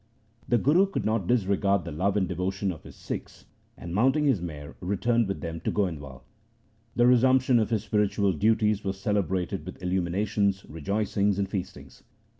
The Guru could not disregard the love and devotion of his Sikhs, and mounting his mare returned with them to Goindwal. The resumption of his spiritual duties was celebrated with illuminations, rejoicings, and f eastings.